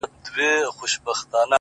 • څوک به ولي دښمني کړي د دوستانو ,